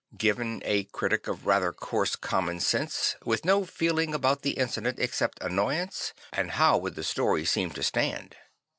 Given a critic of rather coarse common sense, with no feeling about the incident except annoyance, and how would the story seem to stand?